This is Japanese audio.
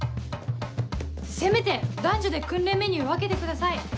せめて男女で訓練メニューを分けてください。